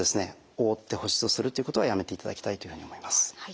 覆って保湿するっていうことはやめていただきたいというふうに思います。